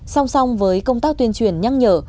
song song với công tác tuyên truyền nhắc nhở